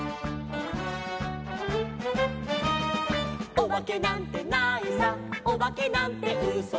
「おばけなんてないさおばけなんてうそさ」